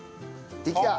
できた！